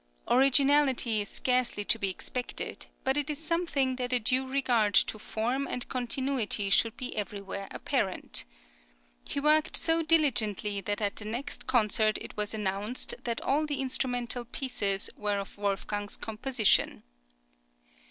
Originality is scarcely to be expected, but it is something that a due regard to form and continuity should be everywhere apparent. He worked so diligently that at the next concert it was announced that all the instrumental pieces were of Wolfgang's composition.